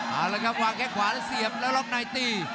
เอาละครับวางแค่ขวาแล้วเสียบแล้วล็อกในตี